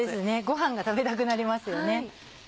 ご飯が食べたくなりますよね。